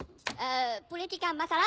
プーレ・ティカ・マサラ？